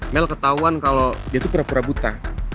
mel ketahuan kalau dia itu pura pura buta